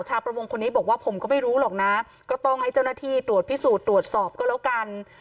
ประมงคนนี้บอกว่าผมก็ไม่รู้หรอกนะก็ต้องให้เจ้าหน้าที่ตรวจพิสูจน์ตรวจสอบก็แล้วกัน